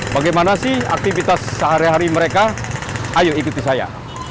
bagaimana sih aktivitas sehari hari mereka ayo ikuti saya